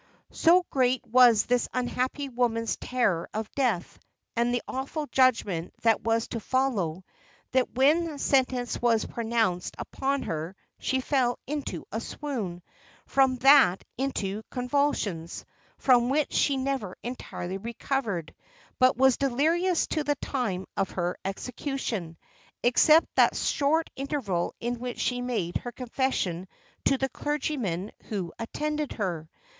"So great was this unhappy woman's terror of death, and the awful judgment that was to follow, that when sentence was pronounced upon her, she fell into a swoon, from that into convulsions, from which she never entirely recovered, but was delirious to the time of her execution, except that short interval in which she made her confession to the clergyman who attended her.